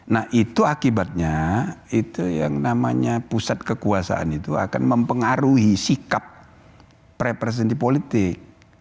nah itu akibatnya itu yang namanya pusat kekuasaan itu akan mempengaruhi sikap preventif politik